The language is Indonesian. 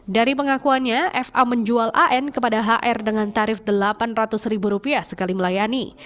dari pengakuannya fa menjual an kepada hr dengan tarif rp delapan ratus ribu rupiah sekali melayani